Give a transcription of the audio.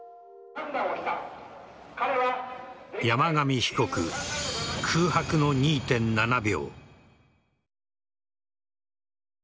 山上被告、空白の２．７秒。